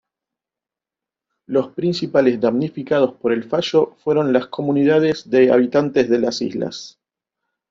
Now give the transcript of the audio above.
Los principales damnificados por el fallo fueron las comunidades de habitantes de las islas.